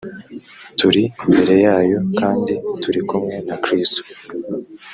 turi imbere yayo kandi turi kumwe na kristo